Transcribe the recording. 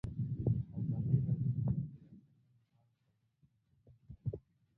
ازادي راډیو د چاپیریال ساتنه په اړه تاریخي تمثیلونه وړاندې کړي.